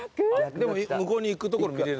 でも向こうに行くところ見れる。